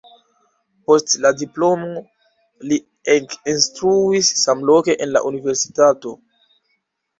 Post la diplomo li ekinstruis samloke en la universitato.